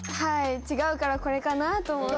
違うからこれかなと思って。